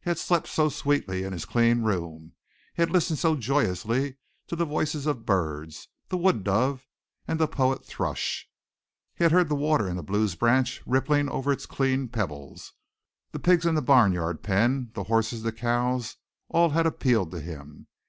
He had slept so sweetly in his clean room, he had listened so joyously to the voices of birds, the wood dove and the poet thrush; he had heard the water in the Blue's branch rippling over its clean pebbles. The pigs in the barnyard pen, the horses, the cows, all had appealed to him.